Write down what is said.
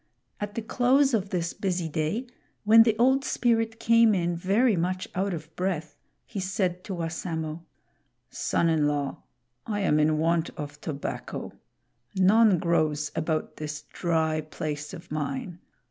At the close of this busy day, when the Old Spirit came in very much out of breath, he said to Wassamo: "Son in law, I am in want of tobacco. None grows about this dry place of mine.